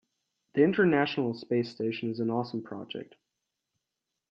The international space station is an awesome project.